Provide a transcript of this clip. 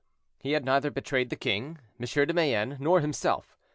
He had neither betrayed the king, M. de Mayenne, nor himself.